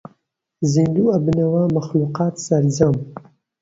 زیندوو ئەبنەوە مەخلووقات سەرجەم